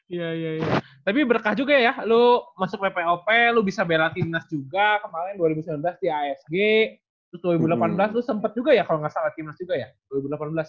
iya iya tapi berkah juga ya lu masuk ppop lu bisa bela timnas juga kemarin dua ribu sembilan belas di asg itu dua ribu delapan belas lu sempet juga ya kalau gak salah timnas juga ya dua ribu delapan belas ya